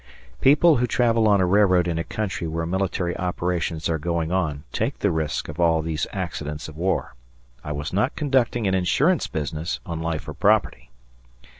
People who travel on a railroad in a country where military operations are going on take the risk of all these accidents of war. I was not conducting an insurance business on life or property.